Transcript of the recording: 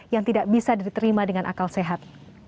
yang tidak bisa diterima dengan akal sehat